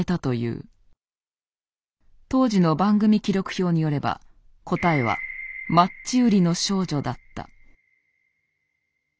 当時の番組記録票によれば答えは「マッチ売りの少女」だった。